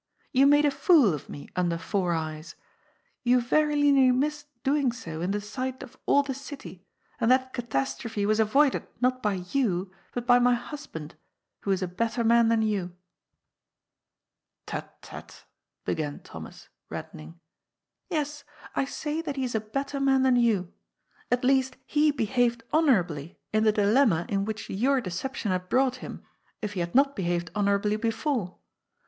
" You made a fool of me ' under four eyes.' You very nearly missed doing so in the sight of all the city, and that catastrophe was avoided not by you but by my husband, who is a better man than you." AIGRE DOUX. 237 " Tut, tut," began Thomas, reddening. ^^ Yes, I say that he is a better man than you. At least he behaved honourably in the dilemma, into which your deception had brought him, if he had not behaved honour ably before.